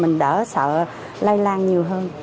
mình đỡ sợ lây lan nhiều hơn